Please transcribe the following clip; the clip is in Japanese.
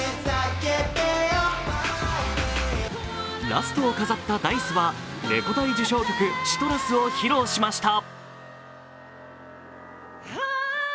ラストを飾ったＤａ−ｉＣＥは「レコ大」受賞曲「ＣＩＴＲＵＳ」を披露しました。